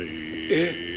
えっ！